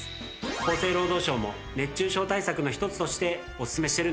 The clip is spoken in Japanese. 厚生労働省も熱中症対策の一つとしておすすめしてるんですよ。